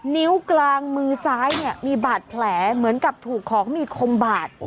นิ้วกลางมือซ้ายเนี่ยมีบาดแผลเหมือนกับถูกของมีคมบาด